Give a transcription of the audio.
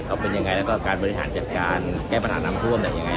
เขาเป็นยังไงแล้วก็การบริหารจัดการแก้ปัญหาน้ำท่วมเนี่ยยังไง